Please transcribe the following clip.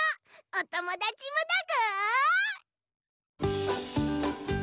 おともだちもだぐー！